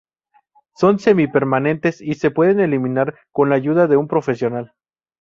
Son semipermanentes y se pueden eliminar con la ayuda de un profesional.